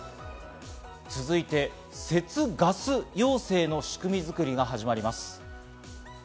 続いて、節ガス要請の仕組み作りが始まります。